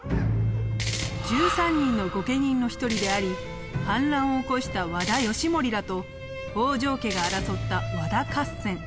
１３人の御家人の１人であり反乱を起こした和田義盛らと北条家が争った和田合戦。